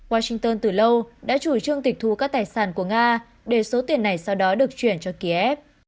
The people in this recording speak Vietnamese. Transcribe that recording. washington từ lâu đã chủ trương tịch thu các tài sản của nga để số tiền này sau đó được chuyển cho kiev